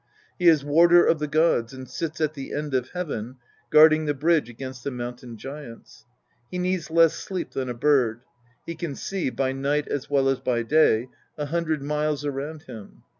He is warder of the gods, and sits at the end of heaven guarding the bridge against the Mountain giants. He needs less sleep than a bird ; he can see, by night as well as by day, a hundred miles around him.